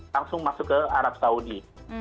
langsung masuk ke arab saudi